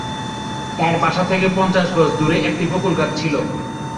তার বাসা থেকে পঞ্চাশ গজ দূরে একটি বকুল গাছ ছিল।